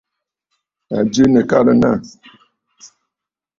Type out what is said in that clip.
À jɨ nɨ̀karə̀ nâ.